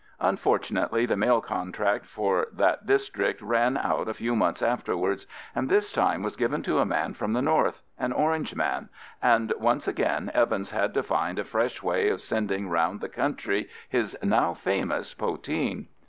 Unfortunately the mail contract for that district ran out a few months afterwards, and this time was given to a man from the north, an Orangeman, and once again Evans had to find a fresh way of sending round the country his now famous poteen.